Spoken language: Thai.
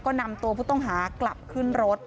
โชว์บ้านในพื้นที่เขารู้สึกยังไงกับเรื่องที่เกิดขึ้น